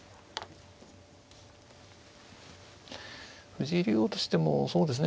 藤井竜王としてもそうですね